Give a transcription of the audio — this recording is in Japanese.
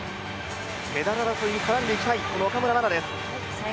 メダル争いに絡んでいきたい岡村真です。